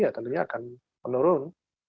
ya tentunya akan menurun